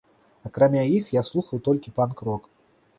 Акрамя іх я слухаў толькі панк-рок.